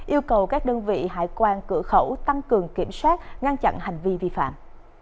yêu cầu các đơn vị hải quan cửa khẩu tăng cường kiểm soát ngăn chặn hành vi vi phạm